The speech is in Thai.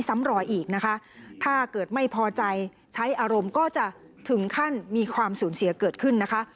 ซ้ำรอยอีกนะคะถ้าเกิดไม่พอใจใช้อารมณ์ก็จะถึงขั้นมีความสูญเสียเกิดขึ้นนะคะ